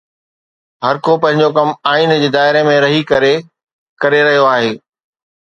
هر ڪو پنهنجو ڪم آئين جي دائري ۾ رهي ڪري ڪري رهيو آهي.